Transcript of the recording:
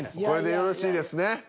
これでよろしいですね？